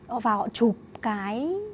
họ vào họ chụp cái